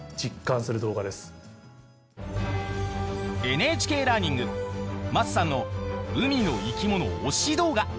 ＮＨＫラーニング桝さんの海の生き物推し動画。